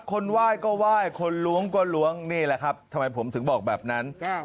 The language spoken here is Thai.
คนไหว้ก็ไหว้คนล้วงก็ล้วงนี่แหละครับทำไมผมถึงบอกแบบนั้น